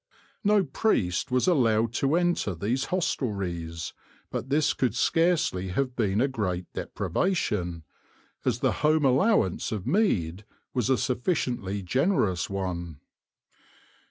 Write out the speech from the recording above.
No priest was allowed to enter these hostelries, but this could scarcely have been a great deprivation, as the home allowance of mead was a sufficiently generous one.